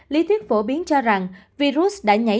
lý thuyết phổ biến cho rằng virus đã nhảy